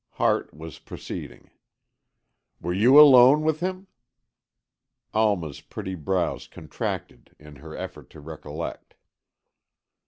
Hart was proceeding. "Were you alone with him?" Alma's pretty brows contracted in her effort to recollect.